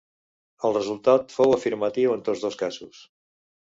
El resultat fou afirmatiu en tots dos casos.